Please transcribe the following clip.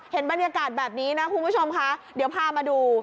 เห็นบรรยากาศแบบนี้นะคุณผู้ชมคะเดี๋ยวพามาดู